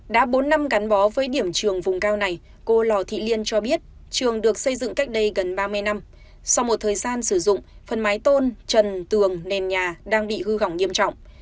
đã bốn năm gắn bó với điểm trường vùng cao này cô lò thị liên cho biết trường được xây dựng cách đây gần ba mươi năm sau một thời gian sử dụng phần mái tôn trần tường nền nhà đang bị hư hỏng nghiêm trọng